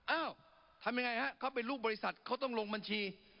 อ้าวทำยังไงฮะเขาเป็นลูกบริษัทเขาต้องลงบัญชี